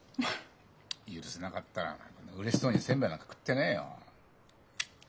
許せなかったらうれしそうに煎餅なんか食ってねえよ。